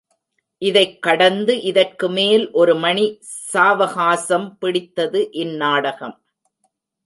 இதைக் கடந்து இதற்கு மேல் ஒரு மணி சாவகாசம் பிடித்தது இந்நாடகம்.